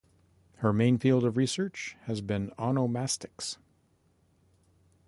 Her main field of research has been onomastics.